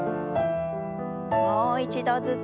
もう一度ずつ。